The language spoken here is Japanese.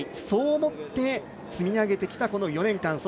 そう思って、積み上げてきたこの４年間。